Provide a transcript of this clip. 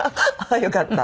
よかった。